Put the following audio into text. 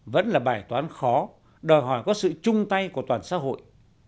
vẫn là bài toán khó đòi hỏi có sự chung tay của toàn xã hội